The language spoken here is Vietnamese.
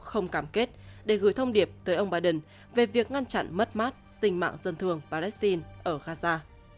đảng dân chủ đã gửi thông điệp tới ông biden về việc ngăn chặn mất mát sinh mạng dân thường palestine ở gaza